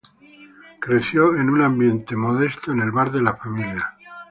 Creció en un ambiente modesto en el bar de la familia.